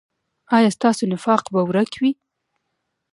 ایا ستاسو نفاق به ورک وي؟